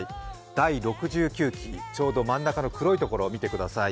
第６９期、ちょうど真ん中の黒いところを見てください。